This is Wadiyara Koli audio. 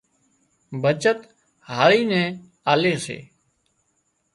بچت هاۯي نين آلي سي